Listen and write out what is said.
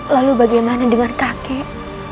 lalu bagaimana dengan kakek